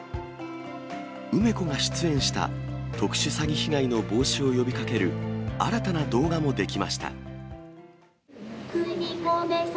梅子が出演した特殊詐欺被害の防止を呼びかける新たな動画も出来ました。